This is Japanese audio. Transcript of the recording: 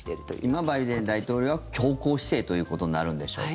今、バイデン大統領は強硬姿勢ということになるんでしょうか。